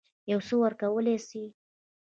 یو څه ورکولای سي.